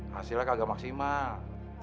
hasilnya kagak maksimal